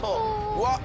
うわっ！